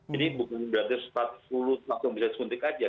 jadi bukan berarti satu ratus empat puluh langsung bisa disuntik saja